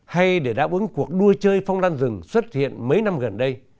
hay để đáp ứng cuộc đua chơi phong đan rừng xuất hiện mấy năm gần đây